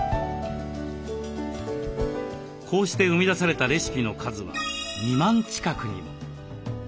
こうして生み出されたレシピの数は２万近くにも。